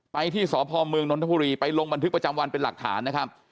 ไปที่สพเมืองนนทบุรีไปลงบันทึกประจำวันเป็นหลักฐานนะครับ